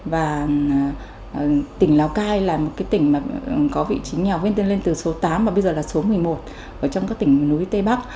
và tỉnh đào cai là một tỉnh có vị trí nghèo viên tên lên từ số tám và bây giờ là số một mươi một trong các tỉnh núi tây bắc